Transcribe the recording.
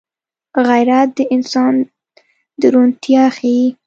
غیرت د انسان درونتيا ښيي